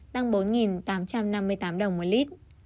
tăng bốn tám trăm năm mươi tám đồng một lít